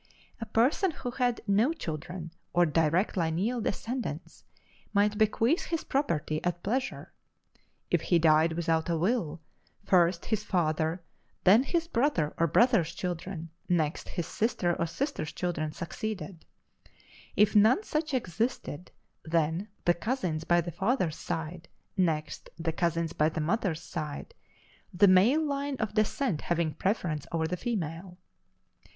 A person who had no children or direct lineal descendants might bequeath his property at pleasure: if he died without a will, first his father, then his brother or brother's children, next his sister or sister's children succeeded: if none such existed, then the cousins by the father's side, next the cousins by the mother's side, the male line of descent having preference over the female.